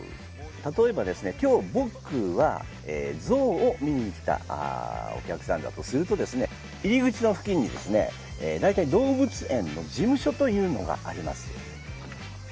例えば今日、僕はゾウを見に来たお客さんだとすると入口の付近に大体、動物園の事務所というのがあります。